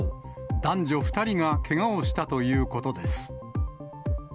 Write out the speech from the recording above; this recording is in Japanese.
男女２人がけがをしたということです。